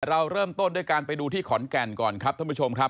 เราเริ่มต้นด้วยการไปดูที่ขอนแก่นก่อนครับท่านผู้ชมครับ